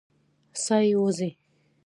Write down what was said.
ساه یې وځي.